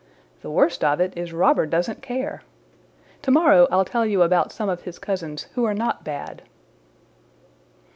The worst of it is Robber doesn't care. To morrow I'll tell you about some of his cousins who are not bad."